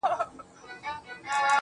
• اوس هيڅ خبري مه كوی يارانو ليـونيانـو.